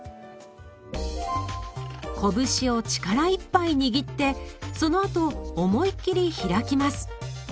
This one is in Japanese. こぶしを力いっぱい握ってそのあと思い切り開きます。